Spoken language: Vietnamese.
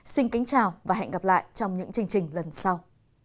xin kính chào và hẹn gặp lại trong những chương trình lần sau